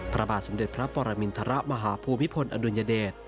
พระบาทสมเด็จพระปรมินทรมาฮภูมิพลอดุลยเดช